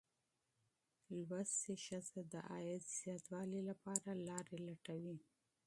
زده کړه ښځه د عاید زیاتوالي لپاره لارې لټوي.